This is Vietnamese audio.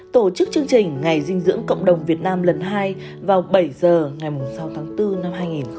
tổ chức chương trình ngày dinh dưỡng cộng đồng việt nam lần hai vào bảy h ngày sáu tháng bốn năm hai nghìn hai mươi